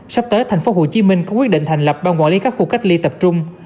sắp tới tp hcm cũng quyết định thành lập bao quản lý các khu cách ly tập trung